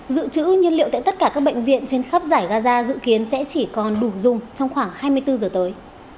dự trữ nhiên liệu tại tất cả các bệnh viện trên khắp giải gaza dự kiến sẽ chỉ còn đủ dùng trong khoảng hai mươi bốn giờ tới